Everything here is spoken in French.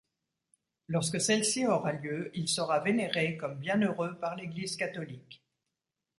Lorsque celle-ci aura lieu, il sera vénéré comme bienheureux par l'Église catholique.